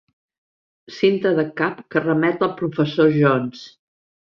Cinta de cap que remet al professor Jones.